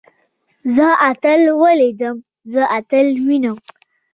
زه اتل وليدلم. زه اتل وينم.